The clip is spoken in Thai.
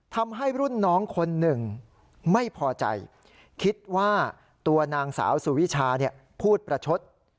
ทำให้รุ่นน้องคนหนึ่งไม่พอใจคิดว่าตัวนางสาวสุวิชาพูดประชด